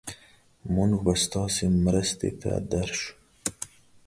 مونږ به ستاسو مرستې ته درشو.